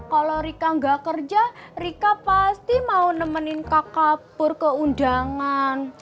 kalau rika enggak kerja rika pasti mau nemenin kakak pur ke undangan